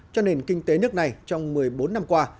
cho nền kinh tế nước này trong một mươi bốn năm qua